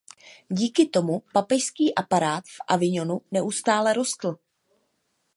Díky tomu papežský aparát v Avignonu neustále rostl.